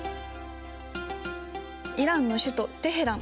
イランの首都テヘラン。